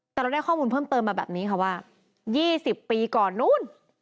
แต่เราได้ข้อมูลเพิ่มเติมมาแบบนี้ค่ะว่า๒๐ปีก่อนนู้น